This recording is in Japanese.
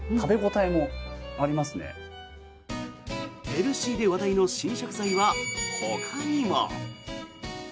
ヘルシーで話題の新食材はほかにも。